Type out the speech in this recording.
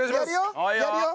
やるよ？